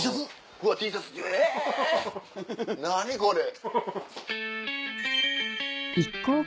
うわＴシャツえぇ何これ！